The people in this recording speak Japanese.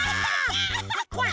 こわい